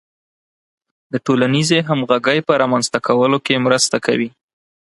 د ټولنیزې همغږۍ په رامنځته کولو کې مرسته کوي.